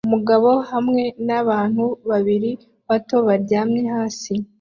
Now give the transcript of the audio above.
Umugabo hamwe nabana babiri bato baryamye hasi